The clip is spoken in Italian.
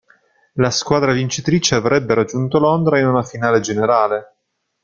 La squadra vincitrice avrebbe raggiunto Londra in una finale generale.